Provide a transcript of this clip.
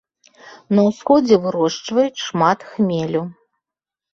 На ўсходзе вырошчваюць шмат хмелю.